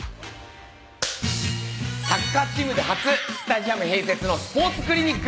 サッカーチームで初スタジアム併設のスポーツクリニック。